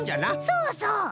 そうそう。